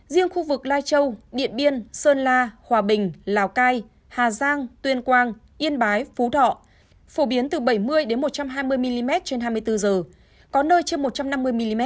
riêng khu vực lai châu điện biên sơn la hòa bình lào cai hà giang tuyên quang yên bái phú thọ phổ biến từ bảy mươi một trăm hai mươi mm trên hai mươi bốn h có nơi trên một trăm năm mươi mm